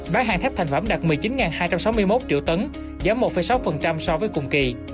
bán hàng thép thành phẩm đạt một mươi chín hai trăm sáu mươi một triệu tấn giảm một sáu so với cùng kỳ